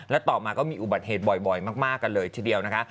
และต่อมาก็มีอุบัติเหตุบ่อยมากกันเลยทีเดียวนะคะ